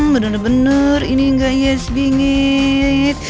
bener bener ini enggak yes bingit